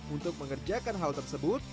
untuk mengerjakan hal tersebut